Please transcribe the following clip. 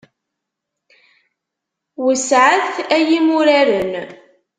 Wesseɛet ay imuraren.